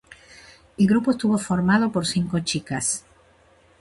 El grupo estuvo formado por cinco chicas.